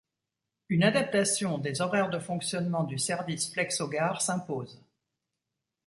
Une adaptation des horaires de fonctionnement du service Flexo Gare s'impose.